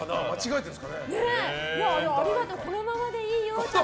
ありがとう、このままでいいよ。